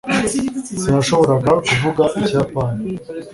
sinashoboraga kuvuga ikiyapani